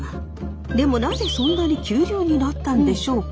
でもなぜそんなに急流になったんでしょうか？